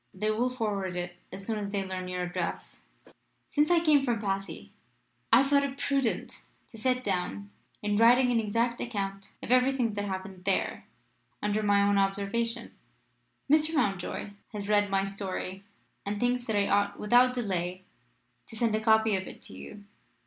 They will forward it as soon as they learn your address. "Since I came back from Passy I have thought it prudent to set down in writing an exact account of everything that happened there under my own observation. Mr. Mountjoy has read my story, and thinks that I ought without delay to send a copy of it to you.